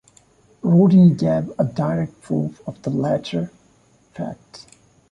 Rudin gave a direct proof of the latter fact.